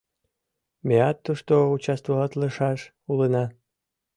Меат тушто участвоватлышаш улына.